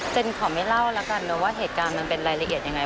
ขอไม่เล่าแล้วกันนะว่าเหตุการณ์มันเป็นรายละเอียดยังไง